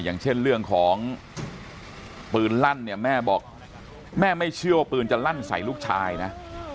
อย่างเช่นเรื่องของปืนลั่นเนี่ยแม่บอกแม่ไม่เชื่อว่าปืนจะลั่นใส่ลูกชายนะ